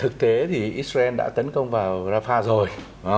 thực tế thì israel đã tấn công vào rafah rồi